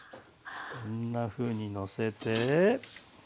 こんなふうにのせて。